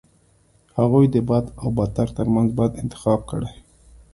هغوی د بد او بدتر ترمنځ بد انتخاب کړي.